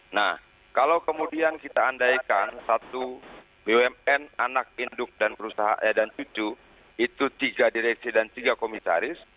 nah kalau kemudian kita andaikan satu bumn anak induk dan perusahaan e dan cucu itu tiga direksi dan tiga komisaris